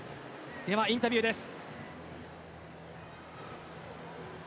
では、インタビューです。